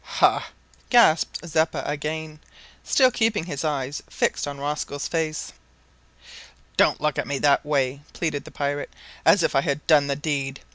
"Hah!" gasped Zeppa again, still keeping his eyes fixed on Rosco's face. "Don't look at me that way," pleaded the pirate, "as if I had done the deed.